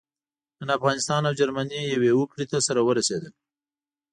نن افغانستان او جرمني يوې هوکړې ته سره ورسېدل.